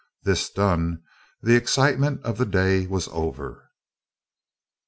This done, the excitement of the day was over.